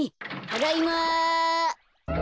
ただいま。